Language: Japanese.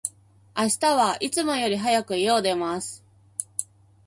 明日は、いつもより早く、家を出ます。